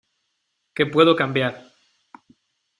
que puedo cambiar.